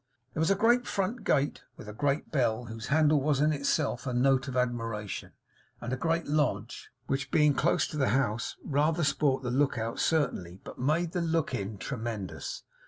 There was a great front gate; with a great bell, whose handle was in itself a note of admiration; and a great lodge; which being close to the house, rather spoilt the look out certainly but made the look in tremendous.